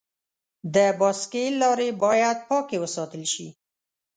د بایسکل لارې باید پاکې وساتل شي.